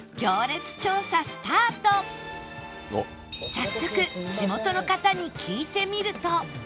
早速地元の方に聞いてみると